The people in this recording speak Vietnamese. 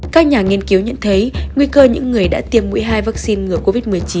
các nhà nghiên cứu nhận thấy nguy cơ những người đã tiêm mũi hai vaccine ngừa covid một mươi chín